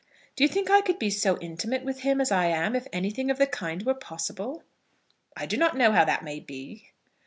Do you think I could be so intimate with him as I am if anything of the kind were possible?" "I do not know how that may be."